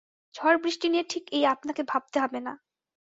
ঝড়-বৃষ্টি নিয়ে ঠিক এই আপনাকে ভাবতে হবে না।